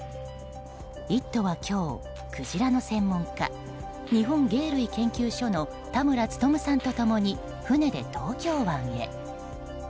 「イット！」は今日クジラの専門家日本鯨類研究所の田村力さんと共に船で東京湾へ。